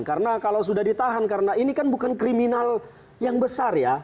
karena kalau sudah ditahan karena ini kan bukan kriminal yang besar ya